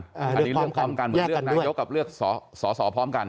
เหมือนเลือกนายกกับเลือกสอบพร้อมกัน